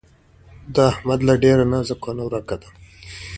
د احمد له ډېره نازه کونه ورکه ده